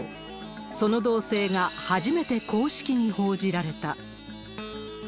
その動静が初めて公式に報じられた。